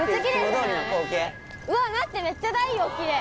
うわ待ってめっちゃ太陽奇麗。